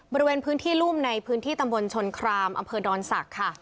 บริเวณพื้นที่รุ่มในพื้นที่ตำบลชนครามอำเภอดอนศักดิ์ค่ะ